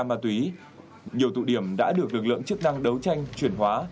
nhiều tụ điểm đã được lực lượng chức năng đấu tranh chuyển hóa